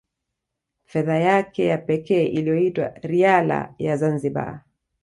Fedha yake ya pekee iliyoitwa Riala ya Zanzibar